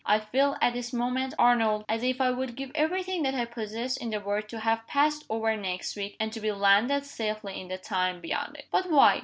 I feel, at this moment, Arnold, as if I would give every thing that I possess in the world to have passed over next week, and to be landed safely in the time beyond it." "But why?"